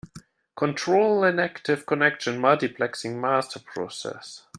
Control an active connection multiplexing master process.